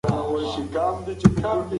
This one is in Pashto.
ایا تاسي د سهار منډه وهل خوښوئ؟